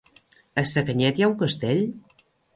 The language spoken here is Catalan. A Sacanyet hi ha un castell?